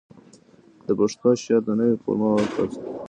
ده پښتو شعر ته نوي فورمونه ورکړل